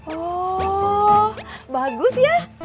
oh bagus ya